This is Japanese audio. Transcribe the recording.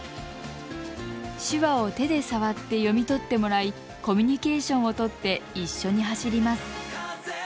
手話を手で触って読み取ってもらいコミュニケーションを取って一緒に走ります。